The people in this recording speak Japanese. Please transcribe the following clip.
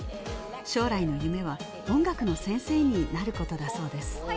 将来の夢は音楽の先生になることだそうです